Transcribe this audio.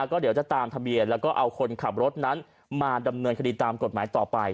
ก็เดี๋ยวจะตามทะเบียนแล้วก็เอาคนขับรถนั้นมาดำเนินคดีตามกฎหมายต่อไป